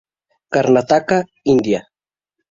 Karnataka, India;